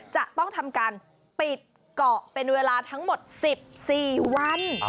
จะต้องทำการปิดเกาะเป็นเวลาทั้งหมด๑๔วัน